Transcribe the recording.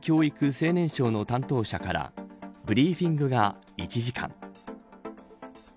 ・青年省の担当者からブリーフィングが１時間。